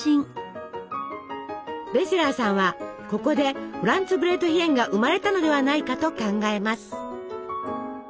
ベセラーさんはここでフランツブレートヒェンが生まれたのではないかと考えます。